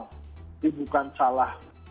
ini bukan salah